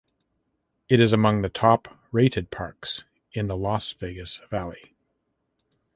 It is among the top rated parks in the Las Vegas Valley.